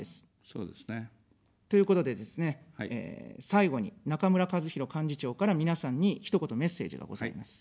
そうですね。ということでですね、最後に中村かずひろ幹事長から皆さんにひと言メッセージがございます。